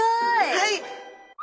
はい！